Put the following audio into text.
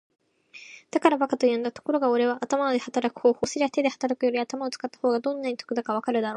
「だから馬鹿と言うんだ。ところがおれは頭で働く方法を一つ教えてやろう。そうすりゃ手で働くより頭を使った方がどんなに得だかわかるだろう。」